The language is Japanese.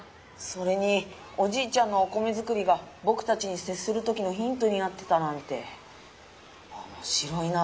それにおじいちゃんのおコメ作りがぼくたちにせっする時のヒントになってたなんておもしろいな。